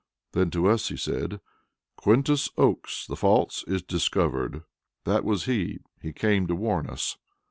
Then to us he said: "Quintus Oakes the false is discovered. That was he; he came to warn us."